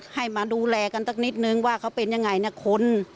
ให้มาดูแลกันสักนิดนึงว่าเขาเป็นยังไงนะคน